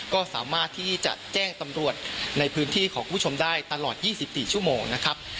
ก็สามารถที่จะแจ้งตำรวจในพื้นที่ของคุณผู้ชมได้ตลอด๒๔ชั่วโมงนะครับ